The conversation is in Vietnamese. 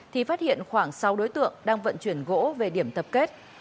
thì phát hiện khoảng sáu đối tượng đang vận chuyển gỗ về điểm tập kết